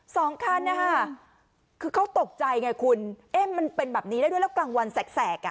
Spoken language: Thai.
สองคันนะคะคือเขาตกใจไงคุณเอ๊ะมันเป็นแบบนี้ได้ด้วยแล้วกลางวันแสกอ่ะ